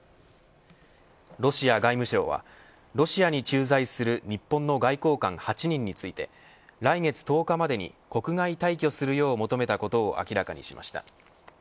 ロシア外務省はロシアに駐在する日本の外交官８人について来月１０日までに国外退去するよう求めたことを明らかにしました。